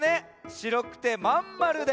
しろくてまんまるで。